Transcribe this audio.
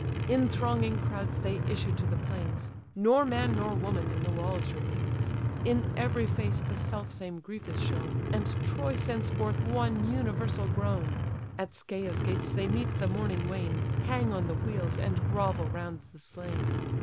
In thronging crowds they issue to the plains; Nor man nor woman in the walls remains; In every face the self same grief is shown; And Troy sends forth one universal groan. At Scæa's gates they meet the mourning wain, Hang on the wheels, and grovel round the slain.